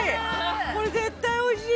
◆これ絶対おいしい。